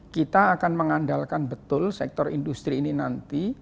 kita akan mengandalkan betul sektor industri ini nanti